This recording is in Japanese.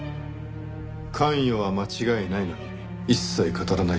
関与は間違いないのに一切語らないって事は。